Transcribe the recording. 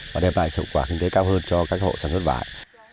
và đem lại hiệu quả kinh tế cao hơn cho các hộ sản xuất vải